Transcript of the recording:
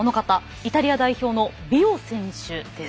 イタリア代表のビオ選手です。